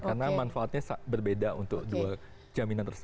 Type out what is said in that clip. karena manfaatnya berbeda untuk dua jaminan